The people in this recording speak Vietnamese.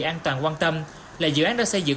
an toàn quan tâm là dự án đã xây dựng